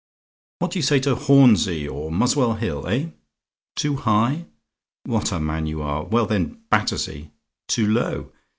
"What do you say to Hornsey or Muswell Hill? Eh? "TOO HIGH? "What a man you are! Well, then Battersea? "TOO LOW?